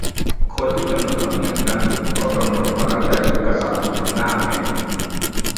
คนกำหนดธรรมเนียมนั่นก็กำหนดมาตั้งแต่ยุคกษัตริย์มีอำนาจไง